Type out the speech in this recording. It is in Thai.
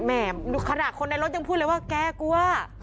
แม่ขนาดคนในรถยังพูดเลยว่าแกกลัว